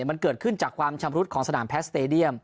มันเกิดขึ้นจากความชำรุดของสนามแพสเตดียม